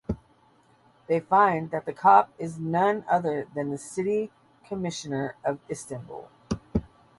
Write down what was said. They find that the cop is none other than the city commissioner of Istanbul.